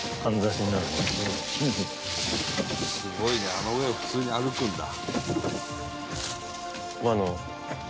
「すごいねあの上を普通に歩くんだ」